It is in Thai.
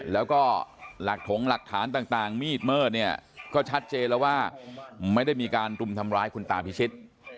แล้วก็หลักถงหลักฐานต่างมีดเมิดเนี่ยก็ชัดเจนแล้วว่าไม่ได้มีการรุมทำร้ายคุณตาพิชิต